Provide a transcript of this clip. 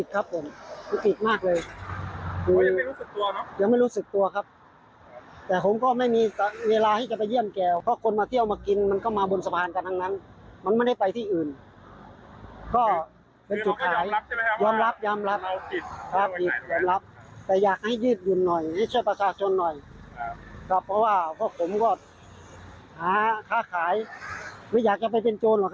ฆ่าขายไม่อยากจะไปเป็นโจรหรือครับ